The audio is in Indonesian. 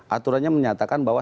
aturannya menyatakan bahwa